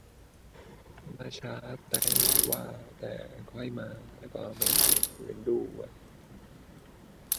ม้าช้าไม่ว่า แต่ขอให้มาชัวร์ แล้วก็ไม่เรียกคืนด้วย